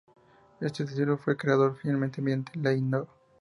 Este distrito fue creado oficialmente mediante Ley No.